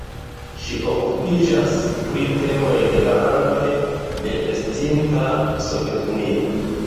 Ŝi okupiĝas pri temoj de la landoj de estinta Sovetunio.